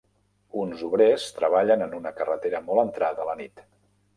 Uns obrers treballen en una carretera molt entrada la nit.